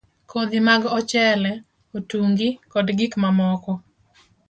Kodhi mag ochele, otungi, kod gik mamoko